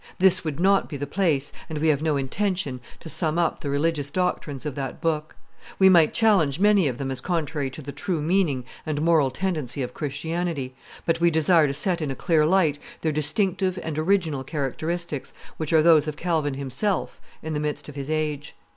This would not be the place, and we have no intention, to sum up the religious doctrines of that book; we might challenge many of them as contrary to the true meaning and moral tendency of Christianity; but we desire to set in a clear light their distinctive and original characteristics, which are those of Calvin himself in the midst of his age.